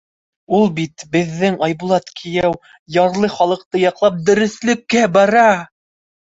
Ул бит, беҙҙең Айбулат кейәү, ярлы халыҡты яҡлап, дөрөҫлөккә бара.